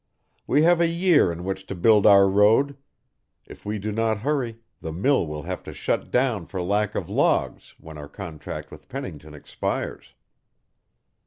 We have a year in which to build our road; if we do not hurry, the mill will have to shut down for lack of logs, when our contract with Pennington expires."